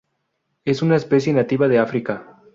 Es una especie nativa de África.